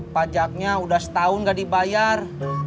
pajaknya udah setahun gak dibayar